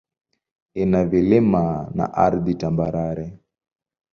Ina vilima na ardhi tambarare.